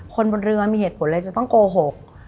คนบนเรือมีเหตุผลอะไรจะต้องโกหก